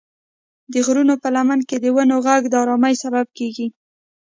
د غرونو په لمن کې د ونو غږ د ارامۍ سبب کېږي.